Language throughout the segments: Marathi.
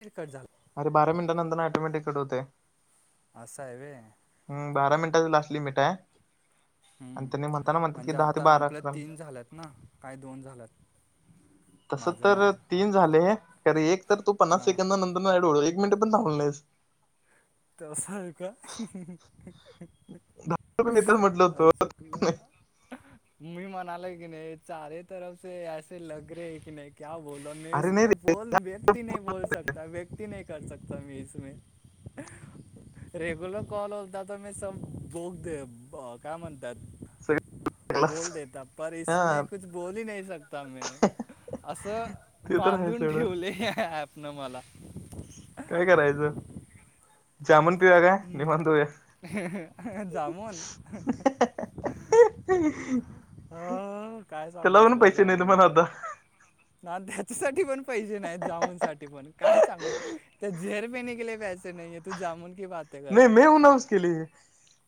तरी कंट झालां अरे बारां मिनटांनंतर ऑटोमॅटिक कंट होतयं. असयं आहे व्हयं. हम्मं बारां मिनटांच लास्टं निमिट हांय हम्मं म्हणजे दहा ते आंता बारा आपल्या करा. तीनं झाल्यांत नां कायं दोन झाल्यांत तसं तरं तीनं झाले कारे एक तरं तूं पन्नास हा सेकंद नंतर ढवळून एक मिनटं पणं तूं थांबलां नाहीसं तसां आहे कां हं हं हं मी तर म्हटलं आई चुकलं होत मी म्हणाले की नाहीं चारे तरफचे से लंग रे की नाहीं क्यां बोलां अरे नाही मसमे रे बोलं व्यक्ती नाहीं बोलं सकतां व्यक्ती नाहीं करं सकतां इसं मे हम्मं रेग्युलर कॉल होतां तरं मी सं बोग कायं म्हणतांत सगळ बोलं देतां परं हा इसमे कुंछ बोलंही नाहीं सकतां मे असं ते तर आहे बांधून सगळं ठेवले यां ऍप नं मलां. कायं करायचं जामुंन पिवां कायं निवांत देऊंया हं हं हं जामुंन हं हां हं हं कायं सांगू तुंला नाहीत म्हण जामुंणच आता नां त्यांच्यासाठी पणं पैसे नाहींत जामुंन सांठी पणं कायं सांगू तरं जेहेर पिने केलीये पैसे नाहीं तूं जामुंन की बांत ते नाही करं मे हून हाऊस केली.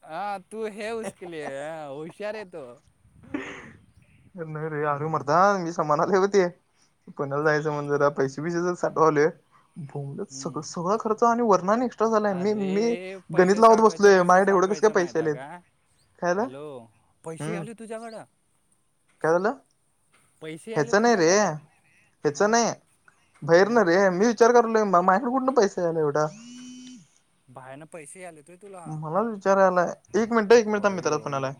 हां तूं है उसके लिये होशर आहे तो हं नाहीं रे आंरू मरतां मी समांना आले होते पुण्यांला जायचं म्हंण जरां पैसे बिसे जे साठवाले संग हम्म. सगळां खर्च आणि वर्णन एक्स्ट्रां झालायं मी मी अरे पैसे गणित लावतं साठवायचं बसलोय कसं माझ्या एवढं कसं साठवायचं कायं पैसे माहिती आहे आलेत का काय झालं हॅलो पैसे आलं तुझ्यांकडे कायं झालं ह्यांचं नाहीं रे तुझ्याकडं हा ह्यांचं नाहीं भैरं नां मग रे मी विचांर करोय मंग माझेकडे कुंठून पैसे आले आहे एवढां बाहेरं पैसे आले तुं तुलां मलांच विचारांयलाय एक मिनिटं एक मिनिटांत अरे मित्रांचा यो फोन यो आलांय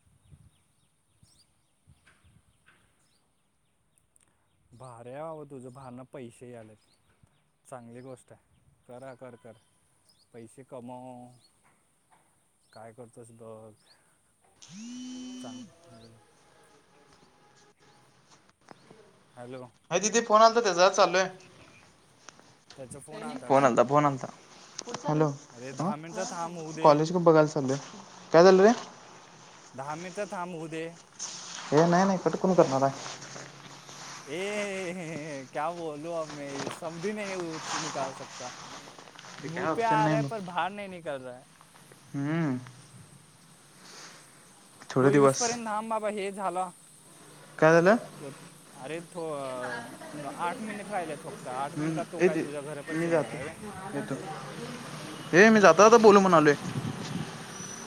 [unintelligible] [unintelligible] भार्या व तुझ्यां भांना पैसे यांलेत चांगली गोष्ट आहे करां करं करं पैसे कमंव काय करतोस बघ. चांग हॅलो. अ दीदे फोन आलता त्याचा. चालोय. फोन आलता. फोन आलता. हॅलो. अरे अ. दहा मिनिटचा थांब होऊ दे कॉलेज पण बघायला चालोय. काय झालं रे? दहा मिनिटं थांब. होऊ दे. हे नाही नाही कटकून करणार हाय. ए क्या बोल अब मे. सबदी नाही निकल सकता. [inaudible] मुह पे ऑप्शन आ रहा. नाही मग पर बाहर नाही निकल रहा. हम्म. थोडे तो दिवस इसपर्यंत थाब बाबा. हे झालं. काय झालं अरे तो आठ मिनिटं राहिलाय फक्त. त आठ मिनटात तो काय तुझ्या घरापाशी येणारे व्हय? हे मी जातो आता बोलू म्हणालोय.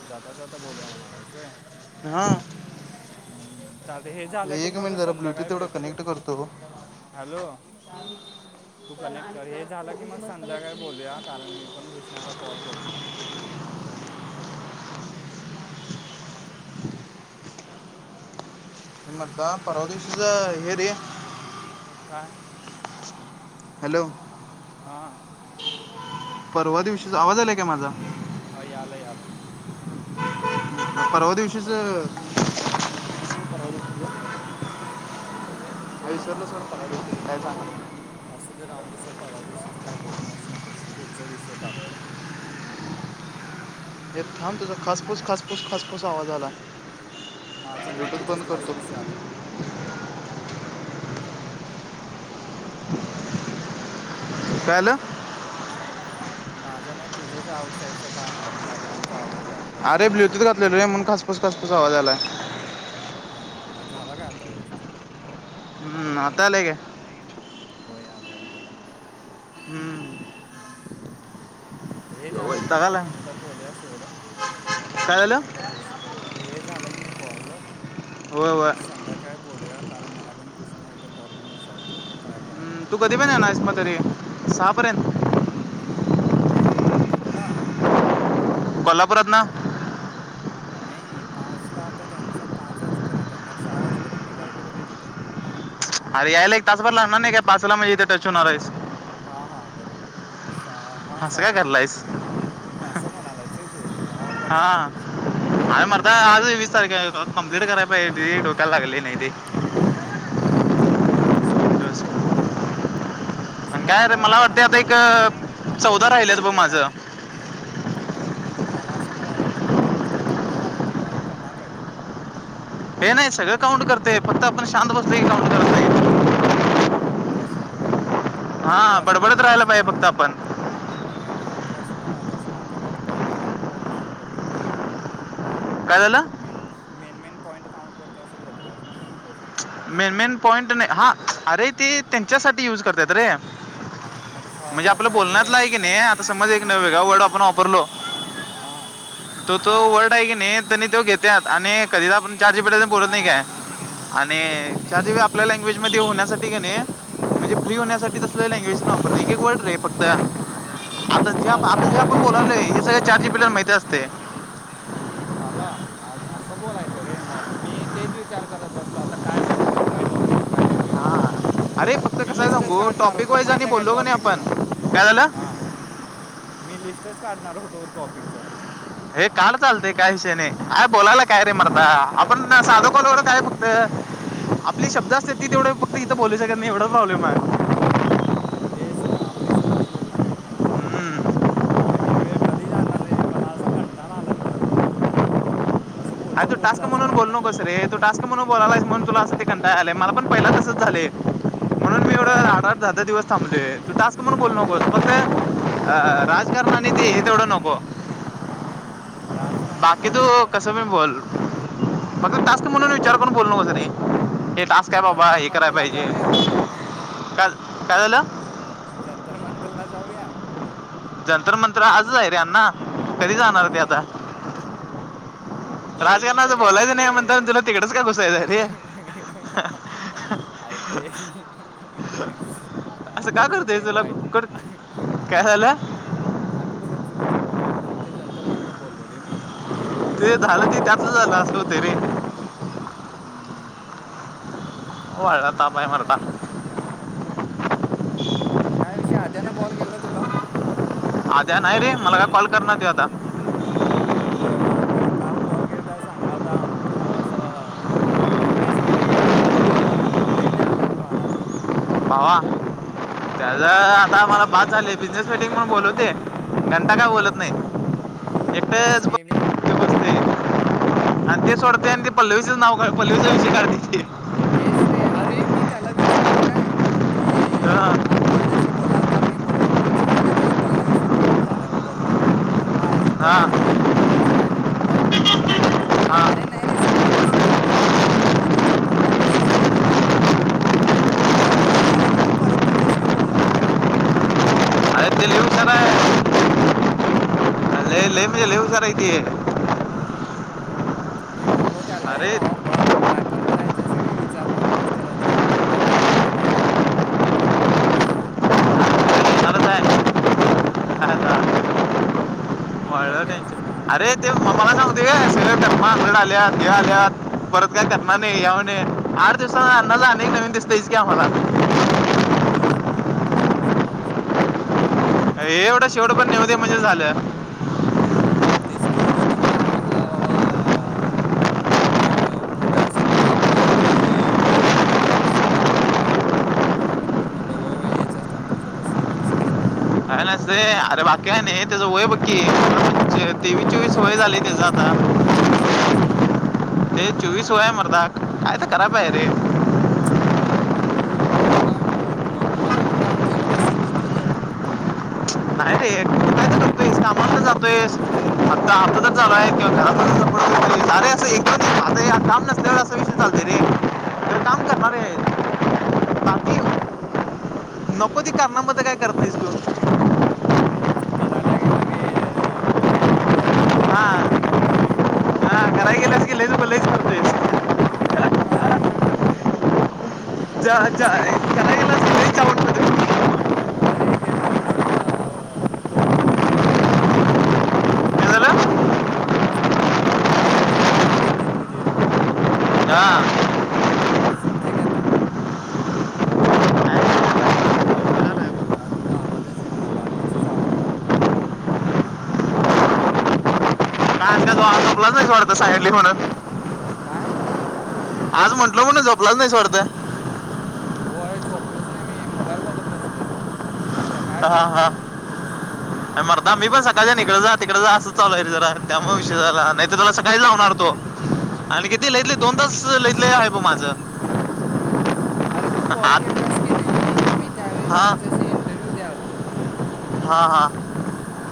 जाता जाता बोलूया म्हणालास होय? ह. हम्म चालत. हे झालं की एक मग मिनिट जरा ब्लूटूथ संध्याकाळी तेवढं भेट. कनेक्ट करतो हॅलो. [inaudible] तू कनेक्ट कर. हे झालं की मग संध्याकाळी बोलूया. कारण मी पण घुसण्याला कॉल करतो. नंतर. म्हणला परवा दिशीच हे रे? काय? हॅलो. हा. परवा दिवशीचा, आवाज आलाय काय माझा? ह यालं यालंय. परवा दिवशीच नाही विसरलंचरत अ काय सांगलं. [inaudible] आसू ते राऊदे सोड. परवा दिवशीच काय बोलूनच नकोस. पुढचा विषय काड. हे थांब तुझा खासफूस खासफूस खासफूस आवाज आलाय. माझं नाही तुझ्याच खासफुस यालाय. काय आल? माझा नाही. तुझंच आउटसाईडचा बॅकग्राउंडचा आवाज यालाय. अरे्लूटूथ घातल रे. म्हणुन खासफूस खासफूस आवाज यालाय. हा हां म झाला का आता व्यवस्थित? हम्म. आता आले का? हो याले याले. हम्म. [inaudible] आता हे झालं की मग दगाला नंतर बोलूया सोडं. कारण काय मी पण झालं एकदा भुस अरे हे झालं की नाही कॉल? व्हय व्हय. काय बोलूया? कारण मला पण भूषणला एकदा कॉल करून विचारतो. काय करायला? हम्म, तू तो कधी पर्यंत येनारेस पण घरी? सहापर्यंत? ए कुठन? कोल्हापुरात न. नाही पाच ला आता त्यांचं पाच वाजेपर्यंत आहे मग सहा वाजेपर्यंत मी काय करू रे तिथं. आरे यायला एक तासबर लाणार नाही का पाचला म इथ टच होणार आहेस. हा हा बरोबर बर सहा हा असं काय करला सहापर्यंत. आहेस हास म्हणालायस होय तू मला वाट हा! हाय मरदा आजचं वीस तारीख हे कम्प्लीट कराय पाहिजे ती डोक्याला लागलेली नाही ती. हूं ते पण हाय सोडा आज दिवस. कम्प्लीट करायला पाहिजे. असं आणि मला रे काय वाटल वाटते आता आपण एक अं, नको चौदा ते राहिलेत गोष्टी बघ बोला. माझं ऐ का मला असं का नको ते गोष्टी आपण बोलालो ते काउंट करणार काय तो. ते नाही सगळं काउंट करतेय फक्त आपण शांत बसलोय की काउंट करत नाही. तस आहे व्हय तू हां असं बडबडत राहायला म्हणलेलंस ना. पाहिजे फक्त आपण मी काय म्हणाल तू असं म्हणालतास ना, की बा पॉईंट पॉईंट काउंट करतोय तो म्हणून. काय झाल? मेन मे मेन, मेन पॉईंट काउंट करतोय असं बोललेलास ना म्हणून बोललो मी. मेन मेन पॉईंट नाही हा अरे ते त्यांच्यासाठी यूज करत्यात रे. अच्छा म्हणजे असं आपलं वे बोलण्यातला आहे की नाही आता समज एक न वेगळा वर्ड आपण वापरलो. हां! तो तो वर्ड आहे की नाही तेनी तो घेत्यात आणि कधी आपण चॅटजीपीटीसंग बोलत नाही काय. आणि चाट जी पी आपल्या लँग्वेज मध्ये होण्यासाठी का नाही म्हणजे फ्री हां होण्यासाठी. आपल्या लँग्वेज वापरते येके वर्ड रे फक्त. आता जे आप असं आता जे आहे आपण बोलालोय वे हे सगळ मग चॅटजीपीटी ला माहिती असतय. झालं मं असं बोलायचं रे मग, मी तेच विचार करत बसलो आता. काय टॉपिक घेऊ, काय टॉपिक घेऊ, काय टॉपिक घेऊ, म्हणून. हां अरे फक्त मी कसं आहे लिस्टच सांगू काढणार टॉपिक होतो वाईज आणि माहित्या का बोललो नाही टॉपिकचा आपण काय झालं हा. मी लिस्टच काढणार होतो टॉपिक च. हे कालचं आलतय काही विषयने, आहे बोलायला काय रे हम्म. मर्दा आपण साध कॉलवर काय त आपली शब्द असते ती तेवढं फक्त इथं बोलू शकत नाही एवढा प्रॉब्लेम आहे. तेच ना आपले शब्दच बोलू शकत नाही या. हम्म. मबा हे वेळ कधी जाणार रे मला असा कंटाला आला आता यो वे. अ तू टास्क म्हणून बोलु नकोस रे, तू टा स्क म्हणून बोलालायस म्हनु तुला अस ते कंटाला आलंय माला पण पहिला तसच झालेय म्हणून होय! आर दाहा, दाहा दिवस थांबलोय, तू टास्क म्हणून बोलू नकोस फक्त अ राजकारण न ते हे तेवढ नको. हूं राजकारण बाकी काय तू इथं. कसं बोल! फक्त टास्क म्हणून विचार करून बोलु नकोस रे, हे टास्क काय बाबा जंतर हे कराय मंतरला पाहिजे. जाऊया काय काय झालं? जंतर मंतरला जाऊया. जंत्तर मंतर आजच आहे रे आन्ना. हा! डोरेमणच राजकारणाचं काय बोलायचं नाही म्हणता ते. तुला तिकडंच का घुसायचं आहे रे [unintelligible] असं आम्ही का कुठे करतोय ते तुला वाईटं बो कुठं काय झालं आम्ही कुठं चुकीचं बोलालो फक्त जंतर मंतर बोललो रे मी. ते झालं की त्याच झालं असं होत रे. हम्म वाढला ताप आहे काय मला हम्म हम्म काय विषय आद्या ने कॉल केलता तुला? आद्या नाही रे मला काय कॉल करणार दे आता. होय मला परवा काल कॉल घेता सांगालता आमज असं बिझनेस मीटिंग आ ब आ रेने आल्यावर म्हणालता. भावा त्याचा आता मला बास झाले बिझनेससाठी मपण बोलवते घंटा काय बोलत नाही. होयच एकटेच के मी ते बसते आणि ते सोडते आणि ते पल्लवीचच नाव पल्लवीचा विषय काढते ते. तेच रे अरे मी त्याला विचारलो काय ते कि माझ्याशी बोलालता मी बोला मग झाला काय तुझ्या पल्लविशी बोलून झाला बोललो. काय का अजून हां हां बोलायचं बोलाय चं म्हणला मग तो मला हां अरे नाही रे सकाळपासून कंटिन्यू आतापर्यंत बोलतच हो तो मगाशीच ठेवले तेजा जर फोन म्हणला. आता तुझ्या झालं की मी परत तिच्याशीच बोलणार आहे म्हणाला ये अरे अरे यार ते लय हूशार आहे. अरे लय लय म्हणजे लय हुशार आहे ती. हम्म मी म्हणलो त्याला हे अरे भावा बघ काय पण करायचं असेल नाही विचार करूनच करत जा नंतर आंगले टेबाग म्हणलो मी त्याला. हुशारच माळलं अंगलट घ्यायचंच टेशन काम आहे अरे बाबा ते म मला सांगतोय [unintelligible] आल्या ते आल्यात परत का करना नाही याऊ ने आठ दिवसांना आणि [unintelligible] नवीन दिसतेयस की आम्हाला. हम्म तेच ना तसच असतं त्याचा. काय एवढं शेवढं पण नेऊ दे म्हणजे झाल्या. हम्म तेच म्हणलो तुम्हाला म्हणला बाबा. [unintelligible] तर व्हॉलीबॉल म्हणालता मी म्हणलो वय वय हेच असणार तुझं लस शेवटच. काय नसे अरे बाकी काय नाही त्याच वय बघ की. [unintelligible] तेवीस अरे चोविस वय माझ्यापेक्षा झाली पण त्याजा जास्त आता. आहे माझ्यापेक्षा जास्त आहे तेवीस चोवीस वय आहे मरदाक काय तर कराय पाय रे. हम्म मम मी मला काय मग मग मला पण नाव ठेवत असेल कि तू तर. नाही रे नाही [unintelligible] कामला जातोयस. [unintelligible] त विषय चालते रे. काम करणार आहे बाकी न हो ती हम्म. करणामध्ये काय करतोयस तु? हम्म करायला गेलोे गे अ काय डॉट डॉट हा बनून येतोय काय मी? हा करायला गेलास की लयच लयच करतेस [unintelligible] [unintelligible] अरे ते डॉट डॉट बाव टोळा ते पडतोय रे मी. काय झालं [unintelligible] [unintelligible] समजे का तुम काय तुझा आवाजच येईना बाकीचाच आवाज आलाय तुझा थांब का थोडंच वेळ त्या राहिले तुला नाही वाटत सायडली म्हणत [unintelligible] काय? आज म्हटलं म्हणून झोपलाच नाही वाटतं होय झोपलच नाही मी मोबाईल बघत बसलेलो. आता काय हा झोपू हा मर्दा मी पण डोक्यात सकाळच्या निघत जात तिकडं जा असं चालूय रे जरा त्यामुळे विषय झाला नाही तर तुला सकाळी लावणार तो आणि ते लयात ले दोन हम्म, तास लयत ले आहे बघ माझं हम्म अरे तू कॉल हा केलतास की नाही मी त्यावेळी हा त्यांच्याशी इंटरव्यू द्याल तो हा हा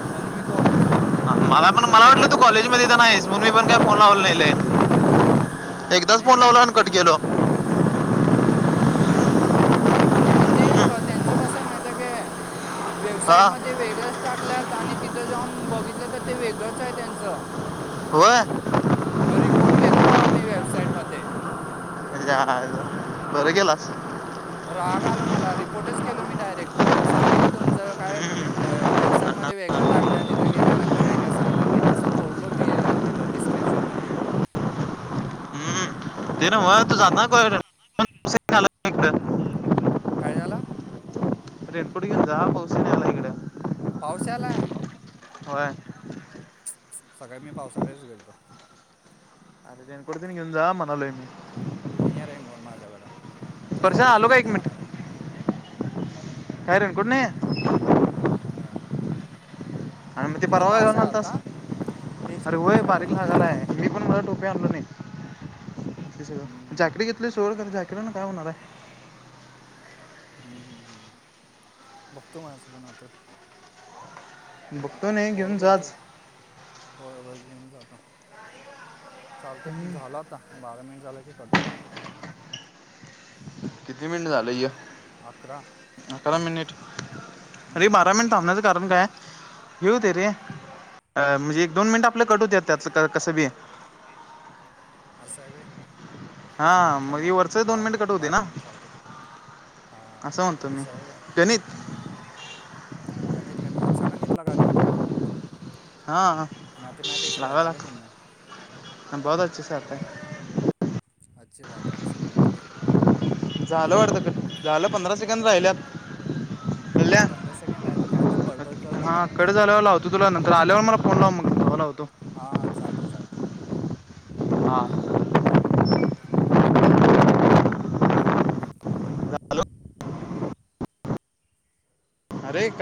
म्हणून मी कॉल उचललो नाही तुझा नाही तर उचललो असतो. तु पण इथं नाही म्हणून मी पण काय फोन लावल नाही लय एकदाच नाही फोन नाही लावला आणि कट इंटरव्ह्यू केलो मध्ये होतो. इंटरव्ह्यू मध्ये होत म्हणून आणि म्हणजे त्यांच्या कसं माहिती आहे काय हा वेबसाईट मध्ये वेगळंच टाकल्यात आणि तिथं जाऊन बघितलं तर ते वेगळंच आहे त्यांचं होय मग रिपोर्ट केलोय बाबा मी वेबसाईटमध्ये हा बरं केलास राग आला मला रिपोर्टच केल मी डायरेक्ट सांगितलो तुमचं काय वेबसाईट मध्ये वेगळं टाकतात तिथं गेल्यानंतर वेगळं सांगतात तिने असं बोललो मी तिथं स्क्रिप्शनमध्ये हम्म. ते नव तु जातना कोणा काय झाला? रेडकोट घेऊ जा पाऊस ते यायला इकडं पाऊस यायला? होय सकाळी मी पावसाळतच गेलतो. आरे रेनकोट ते घेऊन जा म्हणालो आहे मी नाही आहे रेनकोट माझ्याकडे तसं परशा आलो भिजत का एक मिनिट जाणार आहे. काय रेनकोट नाही? नाही ये आणि मग ते परवा घातला आहे नव्हतास आता तेच अरे की होय तेच बारीक घालणार आहे लागलाय. मी पण मला टोपी आणलो नाही हम्म, हम्म, जॅकेट राहू दे हम्म, सोड जाकेटने काय होणार आहे. हम्म हम्म बघतो माझं पण आता बघतो नाही कॉल घेऊन करतो जाच होय होय घेऊन जातो चालतंय झाला आता बारा मिनिटं झाले की कट होतेय. किती मिनिटं झालेय अकरा अकरा मिनिटं आरे बारा मिनिटं थांबण्याचं कारण काय हे होते रे अ म्हणजे एक दोन मिनिटं आपले कट होत आहेत त्यात कसं बी असं होय हा थांब हे वरचं मग दोन राहु दे मिनिट कट होते बारा ना मिनिटं राहू दे हा म्हणतो मी असं होय गणित हम्म गणित गणित, अच्छा गणित लगाते होते तोम? हा मॅथमॅटिक्सि लीयाथा क्या तुमने? बहोत अच्छे से आता है अच्छी बात है, अच्छी बाात है झालं वाटतं झालं, पंधरा सेकंद राहिल्यात हम् गल्या पंधरा सेकंड राहील्यात काय तर बडबड कर बाबा झाल्यावरत तुला नंतर आल्यावर मला फोन लाव मग हो लावतो हां हा चालतय चालतय [inaudible] हा हॅलो [inaudible] अरे! काय?